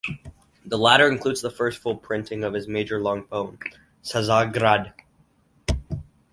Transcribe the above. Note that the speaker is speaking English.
The latter includes the first full printing of his major long poem, "Czargrad".